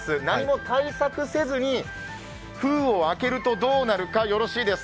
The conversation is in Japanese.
何も対策せずに封を開けるとどうなるか。